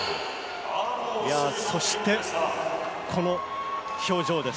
そしてこの表情です。